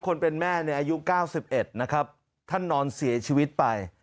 คนเป็นแม่อายุ๙๑ท่านนอนเสียชีวิตไป